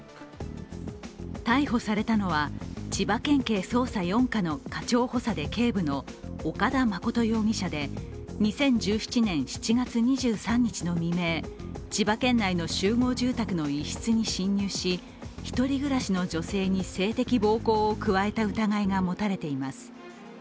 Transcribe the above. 逮捕されたのは、千葉県警捜査４課の課長補佐で警部の岡田誠容疑者で２０１７年７月２３日の未明千葉県内の集合住宅の一室に侵入し１人暮らしの女性に性的暴行を加えた疑いが持たれています。